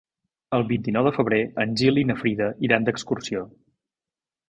El vint-i-nou de febrer en Gil i na Frida iran d'excursió.